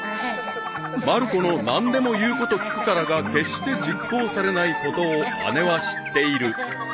［まる子の「何でも言うこと聞くから」が決して実行されないことを姉は知っている］